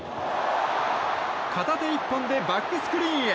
片手１本でバックスクリーンへ。